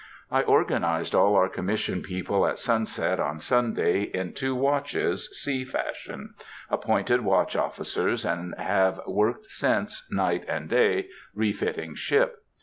I organized all our Commission people at sunset on Sunday, in two watches, sea fashion; appointed watch officers, and have worked since, night and day, refitting ship.